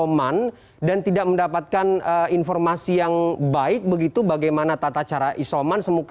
oman dan tidak mendapatkan informasi yang baik begitu bagaimana tata cara isoman